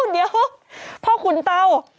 เดี๋ยวพ่อขุนเตา